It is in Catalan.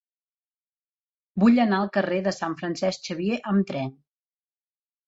Vull anar al carrer de Sant Francesc Xavier amb tren.